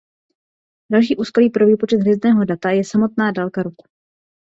Další úskalí pro výpočet hvězdného data je samotná délka roku.